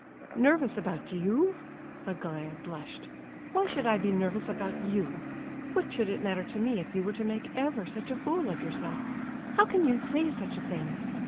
"Nervous about you?" Aglaya blushed. "Why should I be nervous about you? What would it matter to me if you were to make ever such a fool of yourself? How can you say such a thing?